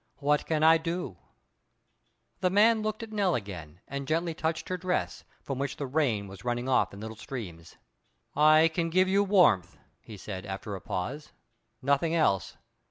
"What can I do?" The man looked at Nell again, and gently touched her dress, from which the rain was running off in little streams. "I can give you warmth," he said, after a pause, "nothing else.